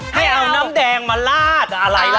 ให้เอาน้ำแดงมาลาดอะไรล่ะ